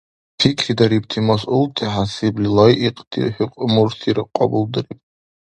Пикридарибти масъулти хӀясибли лайикьти хӀукмуртира кьабулдариб.